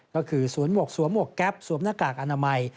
ก็คือสวมหวกสวมหวกแก๊ปสวมหน้ากากอนามัย